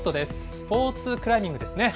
スポーツクライミングですね。